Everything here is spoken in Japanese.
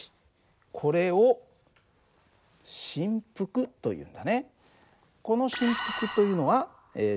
これを振幅というんだね。